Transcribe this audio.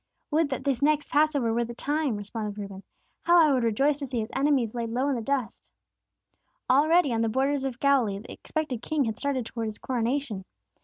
"Would that this next Passover were the time!" responded Reuben. "How I would rejoice to see His enemies laid low in the dust!" Already, on the borders of Galilee, the expected king had started toward His coronation.